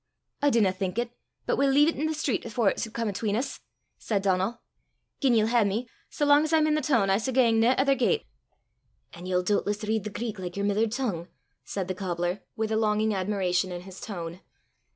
"I dinna think it. But we'll lea' 't i' the street afore it s' come 'atween 's!" said Donal. "Gien ye'll hae me, sae lang 's I'm i' the toon, I s' gang nae ither gait." "An' ye'll doobtless read the Greek like yer mither tongue?" said the cobbler, with a longing admiration in his tone.